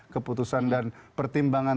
keputusan dan pertimbangan